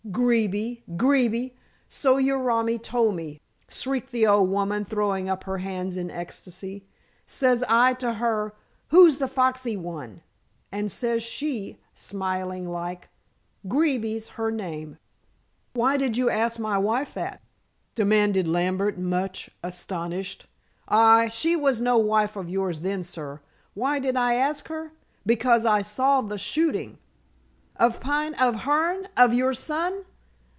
"Greeby! Greeby! So your romi told me," shrieked the old woman, throwing up her hands in ecstasy. "Says I to her, 'Who's the foxy one?' and says she, smiling like, 'Greeby's her name!'" "Why did you ask my wife that?" demanded Lambert, much astonished. "Hai, she was no wife of yours then, sir. Why did I ask her? Because I saw the shooting " "Of Pine of Hearne of your son?"